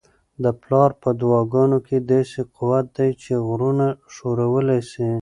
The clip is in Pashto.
د پلار په دعاګانو کي داسې قوت دی چي غرونه ښورولی سي.